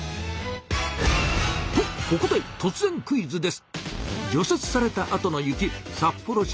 とここでとつぜんクイズです！